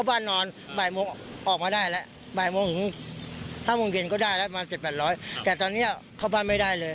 ต้องก่อนวิ่งแค่ช่วงเช้าถึง๑๐โมง